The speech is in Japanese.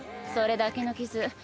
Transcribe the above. それだけの傷